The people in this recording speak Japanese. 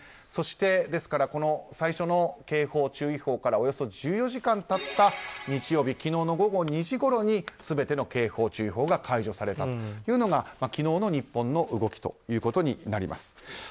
そして、ですから最初の警報・注意報からおよそ１４時間経った日曜日昨日の午後２時ごろにすべての警報・注意報が解除されたのが昨日の日本の動きということになります。